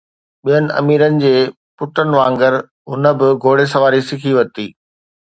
ٻين اميرن جي پٽن وانگر هن به گهوڙي سواري سکي ورتي